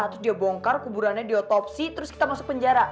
terus dia bongkar kuburannya diotopsi terus kita masuk penjara